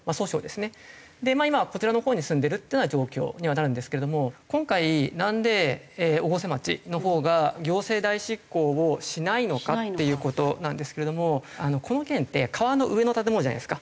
今はこちらのほうに進んでるっていうような状況にはなるんですけども今回なんで越生町のほうが行政代執行をしないのかっていう事なんですけれどもこの件って川の上の建物じゃないですか。